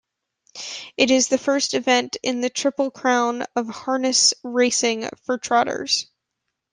It is the first event in the Triple Crown of Harness Racing for Trotters.